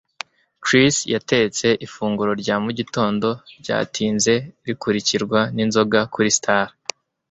Chris yatetse ifunguro rya mugitondo ryatinze rikurikirwa n'inzoga kuri Star.